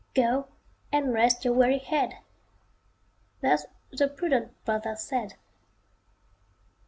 Go and rest your weary head." Thus the prudent brother said.